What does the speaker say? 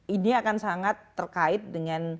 ini akan sangat terkait dengan